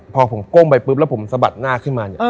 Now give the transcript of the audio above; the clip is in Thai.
พอผมก้มไปปุ๊บแล้วผมสะบัดหน้าขึ้นมาเนี่ย